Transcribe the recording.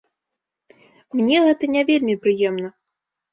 Мне гэта не вельмі прыемна.